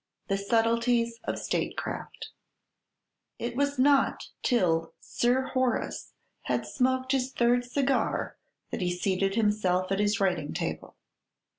THE SUBTLETIES OF STATECRAFT It was not till Sir Horace had smoked his third cigar that he seated himself at his writing table.